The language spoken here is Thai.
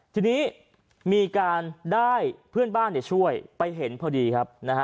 ทีนี้มีการได้เพื่อนบ้านช่วยไปเห็นพอดีครับนะฮะ